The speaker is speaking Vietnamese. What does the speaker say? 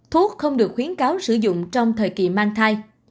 thuốc không được khuyến cáo sử dụng trong thời kỳ mang thai